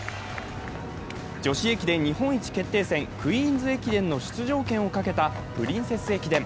女子駅伝日本一決定戦、クイーンズ駅伝の出場権をかけたプリンセス駅伝。